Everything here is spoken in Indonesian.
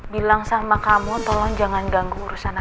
bilang sama kamu tolong jangan ganggu urusan kamu